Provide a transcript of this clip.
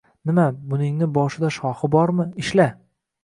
Nima, buningni boshida shoxi bormi, ishla.